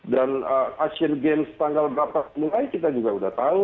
dan asian games tanggal berapa mulai kita juga sudah tahu